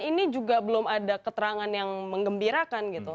ini juga belum ada keterangan yang mengembirakan gitu